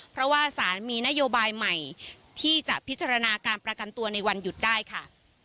เพราะว่าสารมีนโยบายใหม่ที่จะพิจารณาการประกันตัวในวันหยุดได้ค่ะ